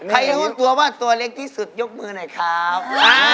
รู้ตัวว่าตัวเล็กที่สุดยกมือหน่อยครับ